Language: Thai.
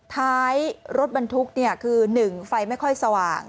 ท้ายรถบรรทุกคือ๑ไฟไม่ค่อยสว่าง